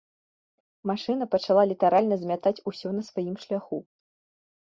Машына пачала літаральна змятаць усё на сваім шляху.